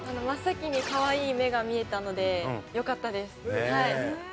真っ先にかわいい目が見えたのでよかったです。